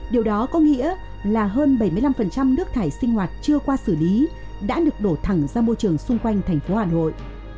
điều đó có nghĩa là hơn bảy mươi năm nước thải sinh hoạt chưa qua xử lý đã được đổ thẳng ra môi trường xung quanh thành phố hà nội